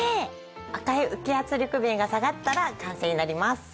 赤い浮き圧力弁が下がったら完成になります。